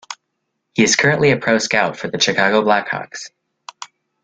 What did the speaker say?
He is currently a pro scout for the Chicago Blackhawks.